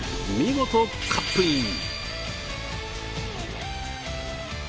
直接カップイン！